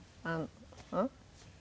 うん？